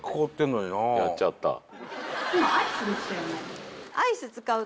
やっちゃった。